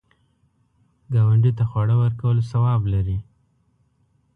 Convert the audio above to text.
ګاونډي ته خواړه ورکول ثواب لري